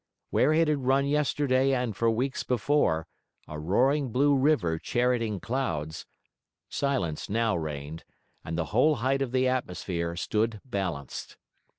Where it had run yesterday and for weeks before, a roaring blue river charioting clouds, silence now reigned; and the whole height of the atmosphere stood balanced.